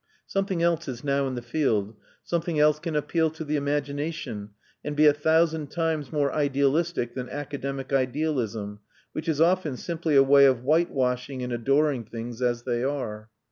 Something else is now in the field; something else can appeal to the imagination, and be a thousand times more idealistic than academic idealism, which is often simply a way of white washing and adoring things as they are.